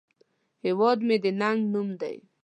هیواد مې د ننگ نوم دی